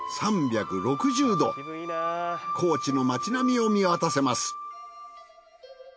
３６０度高知の街並みを見渡せます。